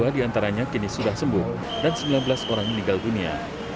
tujuh ratus delapan puluh dua diantaranya kini sudah sembuh dan sembilan belas orang meninggal dunia